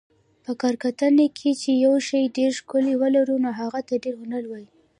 په کره کتنه کښي، چي یوشي ډېره ښکله ولري نو هغه ته ډېر هنري وايي.